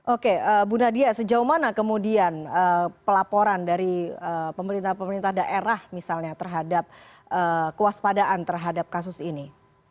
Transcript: oke bu nadia sejauh mana kemudian pelaporan dari pemerintah pemerintah daerah misalnya terhadap kewaspadaan terhadap kasus ini